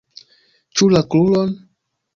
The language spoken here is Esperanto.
Ĉu la kruron?